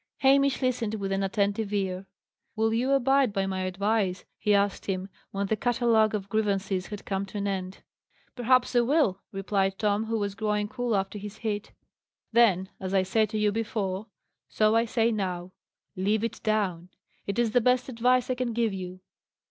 Hamish listened with an attentive ear. "Will you abide by my advice?" he asked him, when the catalogue of grievances had come to an end. "Perhaps I will," replied Tom, who was growing cool after his heat. "Then, as I said to you before, so I say now Live it down. It is the best advice I can give you."